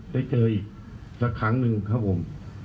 ได้เจออีกสักครั้งหนึ่งครับผม